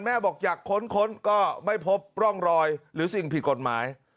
บอกอยากค้นก็ไม่พบร่องรอยหรือสิ่งผิดกฎหมาย